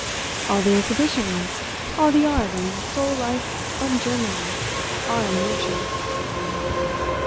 All the Exhibitions, all the Art and Soul life of Germany are in München.